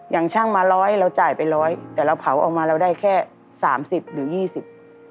อย่างช่างมาร้อยเราจ่ายไปร้อยแต่เราเผาออกมาเราได้แค่สามสิบหรือยี่สิบ